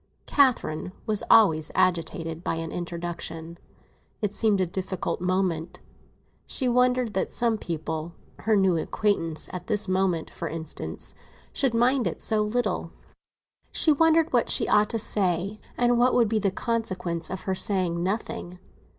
Catherine was always agitated by an introduction; it seemed a difficult moment, and she wondered that some people—her new acquaintance at this moment, for instance—should mind it so little. She wondered what she ought to say, and what would be the consequences of her saying nothing.